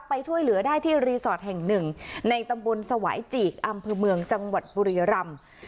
ไปช่วยเหลือได้ที่รีสอร์ทแห่งหนึ่งในตำบลสวายจีกอำเภอเมืองจังหวัดบุรียรำ